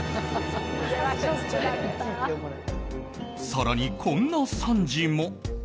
更にこんな惨事も。